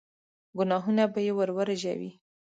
ګناهونه به يې ور ورژوي.